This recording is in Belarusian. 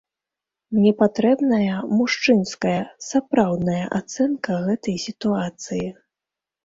Мне патрэбная мужчынская, сапраўдная ацэнка гэтай сітуацыі.